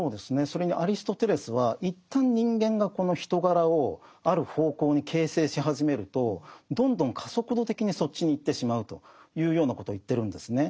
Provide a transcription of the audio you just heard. それにアリストテレスは一旦人間がこの人柄をある方向に形成し始めるとどんどん加速度的にそっちに行ってしまうというようなことを言ってるんですね。